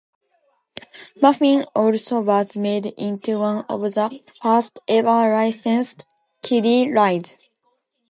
Muffin also was made into one of the first ever licensed kiddie rides.